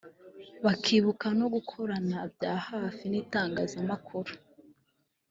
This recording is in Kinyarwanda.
bakibuka no gukorana bya hafi n’itangazamakuru